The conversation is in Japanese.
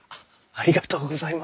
ありがとうございます。